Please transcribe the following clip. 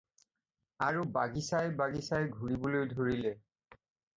আৰু বাগিচাই বাগিচাই ঘুৰিবলৈ ধৰিলে।